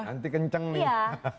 nanti kenceng nih